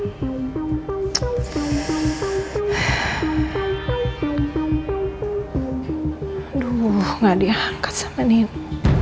aduh gak diangkat sama nino